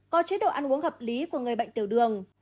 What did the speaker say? có chế độ ăn uống hợp lý của người bệnh tiểu đường